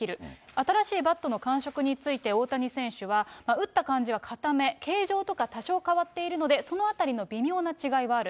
新しいバットの感触について大谷選手は、打った感じは硬め、形状とか多少変わっているので、そのあたりの微妙な違いがある。